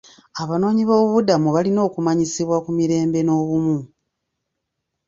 Abanoonyiboobubudamu balina okumanyisibwa ku mirembe n'obumu.